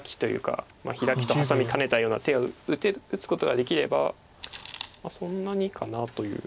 ヒラキとハサミ兼ねたような手を打つことができればそんなにかなという。